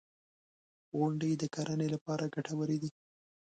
• غونډۍ د کرنې لپاره ګټورې دي.